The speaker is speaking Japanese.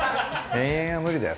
永遠は無理だよ